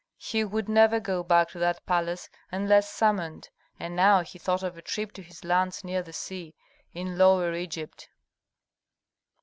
He would never go back to that palace unless summoned, and now he thought of a trip to his lands near the sea, in Lower Egypt.